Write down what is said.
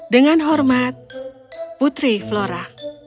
dengan hormat putri flora